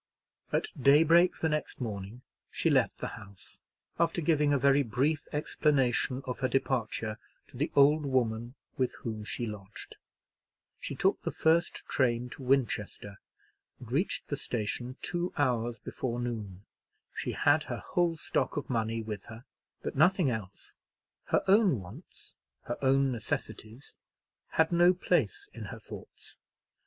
At daybreak the next morning she left the house, after giving a very brief explanation of her departure to the old woman with whom she lodged. She took the first train to Winchester, and reached the station two hours before noon. She had her whole stock of money with her, but nothing else. Her own wants, her own necessities, had no place in her thoughts.